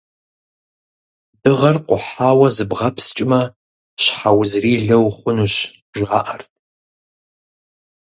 Дыгъэр къухьауэ зыбгъэпскӀмэ, щхьэузырилэ ухъунущ, жаӀэрт.